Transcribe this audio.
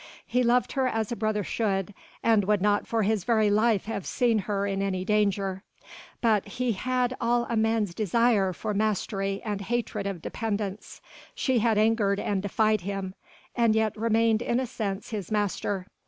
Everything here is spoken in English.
He loved her as a brother should, and would not for his very life have seen her in any danger, but he had all a man's desire for mastery and hatred of dependence: she had angered and defied him, and yet remained in a sense his master.